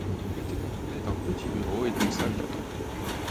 Il était composé d’un petit bureau et d’une salle d’attente.